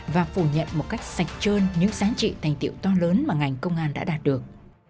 và phủ nhận một cách sạch trơn những giá trị thành tiệu to lớn mà ngành công an đã đạt được